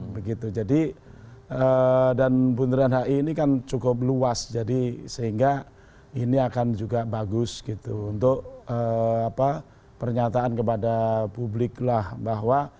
begitu jadi dan bundaran hi ini kan cukup luas jadi sehingga ini akan juga bagus gitu untuk pernyataan kepada publik lah bahwa